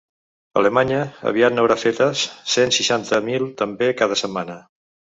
Alemanya aviat n’haurà fetes cent seixanta mil també cada setmana.